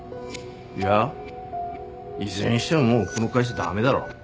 いやいずれにしてももうこの会社駄目だろ。